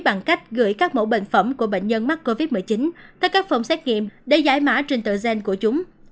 bằng cách gửi các mẫu bệnh phẩm của bệnh nhân mắc covid một mươi chín theo các phòng xét nghiệm để giải mã trên tờ gen của chúng